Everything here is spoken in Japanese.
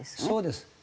そうです。